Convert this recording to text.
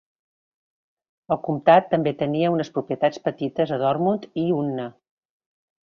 El comtat també tenia unes propietats petites a Dortmund i Unna.